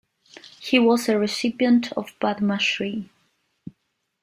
He was a recipient of Padma Shri.